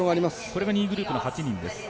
これが２位グループの８人です。